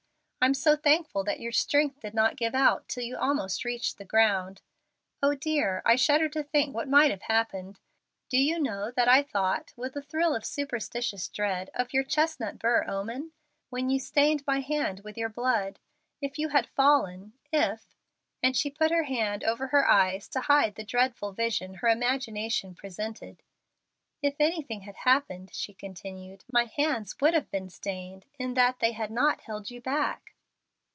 I'm so thankful that your strength did not give out till you almost reached the ground. O dear! I shudder to think what might have happened. Do you know that I thought, with a thrill of superstitious dread, of your chestnut burr omen, when you stained my hand with your blood. If you had fallen if " and she put her hand over her eyes to hide the dreadful vision her imagination presented. "If anything had happened," she continued, "my hands would have been stained, in that they had not held you back."